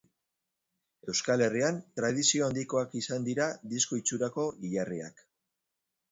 Euskal Herrian, tradizio handikoak izan dira disko itxurako hilarriak.